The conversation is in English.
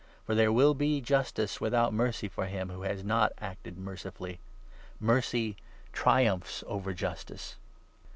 For there will be justice without mercy for him who has not 13 acted mercifully. Mercy triumphs over Justice.